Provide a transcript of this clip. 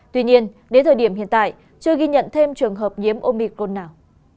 tuy nhiên đến thời điểm hiện tại chưa ghi nhận thêm trường hợp nhiễm omicon nào